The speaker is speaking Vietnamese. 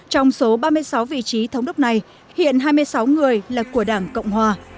trong số ba mươi sáu vị trí thống đốc này hiện hai mươi sáu người là của đảng cộng hòa